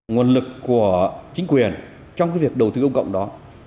nguồn lực của chính quyền trong cái việc đầu tư công cộng đó